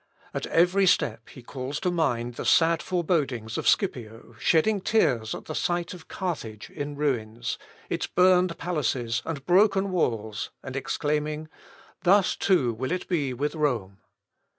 At every step he calls to mind the sad forebodings of Scipio shedding tears at the sight of Carthage in ruins, its burned palaces and broken walls, and exclaiming, "Thus, too, will it be with Rome!"